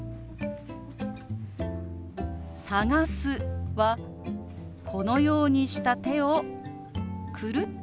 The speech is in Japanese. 「探す」はこのようにした手をくるっとまわすようにします。